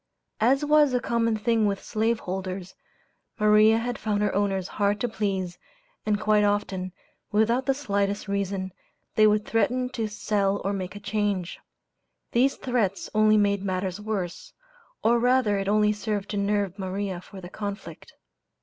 As was a common thing with slave holders, Maria had found her owners hard to please, and quite often, without the slightest reason, they would threaten to "sell or make a change." These threats only made matters worse, or rather it only served to nerve Maria for the conflict.